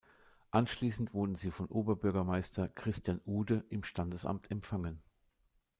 Anschließend wurden sie von Oberbürgermeister Christian Ude im Standesamt empfangen.